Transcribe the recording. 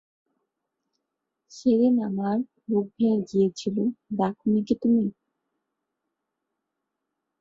সেদিন আমার বুক ভেঙে গিয়েছিল, দেখ নি কি তুমি।